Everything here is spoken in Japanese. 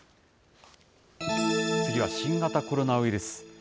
次は新型コロナウイルス。